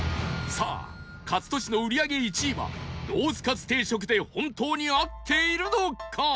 さあかつ敏の売り上げ１位はロースかつ定食で本当に合っているのか？